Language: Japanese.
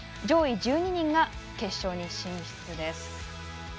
上位１２人が決勝に進出です。